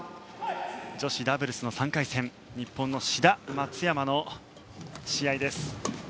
女子ダブルスの３回戦日本の志田、松山の試合です。